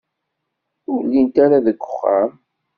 Ur llint ara deg uxxam.